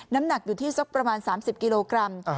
น้ำหนักอยู่ที่สักประมาณ๓๐กิโลกรัม